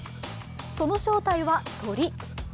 その正体は鳥。